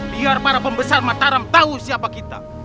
biar para pembesar mataram tahu siapa kita